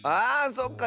そっか。